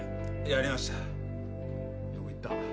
よく言った。